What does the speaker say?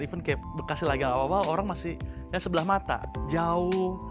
even kayak bekasi lagi awal orang masih sebelah mata jauh